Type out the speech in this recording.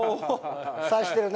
さしてるね